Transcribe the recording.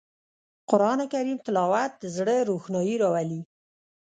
قرآن کریم تلاوت د زړه روښنايي راولي